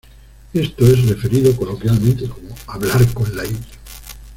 Esto es referido coloquialmente como "hablar con la 'i'.